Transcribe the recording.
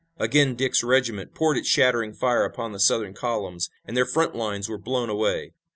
Again Dick's regiment poured its shattering fire upon the Southern columns and their front lines were blown away.